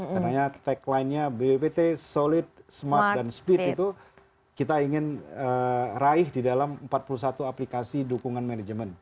karena tagline nya bpt solid smart dan speed itu kita ingin raih di dalam empat puluh satu aplikasi dukungan manajemen